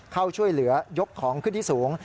เข้าช่วยเหลือยกของขึ้นที่สูง